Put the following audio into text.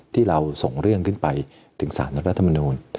ที่เราส่งเรื่องขึ้นไปถึงสารรัฐมนูล